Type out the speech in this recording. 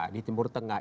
di timur tengah